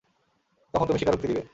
তখন তুমি স্বীকারোক্তি দিবে।